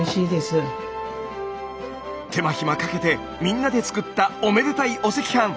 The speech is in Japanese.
手間暇かけてみんなで作ったおめでたいお赤飯。